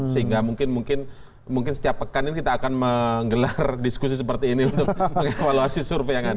sehingga mungkin setiap pekan ini kita akan menggelar diskusi seperti ini untuk mengevaluasi survei yang ada